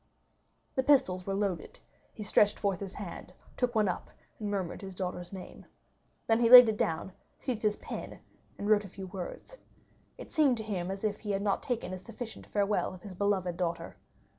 The pistols were loaded; he stretched forth his hand, took one up, and murmured his daughter's name. Then he laid it down, seized his pen, and wrote a few words. It seemed to him as if he had not taken a sufficient farewell of his beloved daughter.